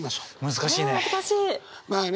難しいね。